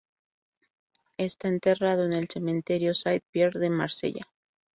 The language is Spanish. Está enterrado en el Cementerio Saint-Pierre de Marsella.